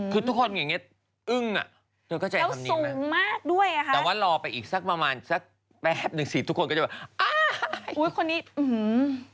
คือทุกคนอย่างเงี้ยอึ้งอะเดี๋ยวเข้าใจคำนี้ไหมแต่ว่ารอไปอีกสักประมาณสักแป๊บหนึ่งสิทธิ์ทุกคนก็จะแบบอ้าาาอุ้ยคนนี้อื้อหื้อ